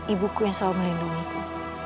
ibuku yang selalu melindungiku